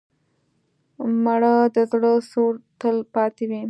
مړه د زړه سوره تل پاتې وي